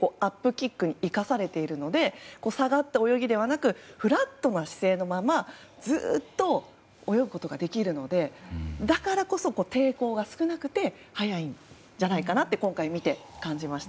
キックに生かされているので下がった泳ぎではなくフラットな姿勢のままずっと泳ぐことができるのでだからこそ、抵抗が少なくて速いんじゃないかなと今回見て感じました。